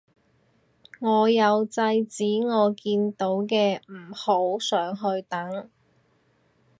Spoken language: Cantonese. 我有制止我見到嘅唔好上去等